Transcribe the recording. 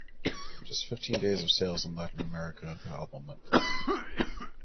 In just fifteen days of sales in Latin America, the album went platinum.